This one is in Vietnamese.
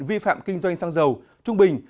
vi phạm kinh doanh xăng dầu trung bình